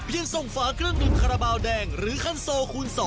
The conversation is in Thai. เพียงส่งฝากรื่องหนึ่งคาราบาลแดงหรือคันโซคูณ๒